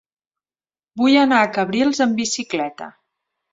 Vull anar a Cabrils amb bicicleta.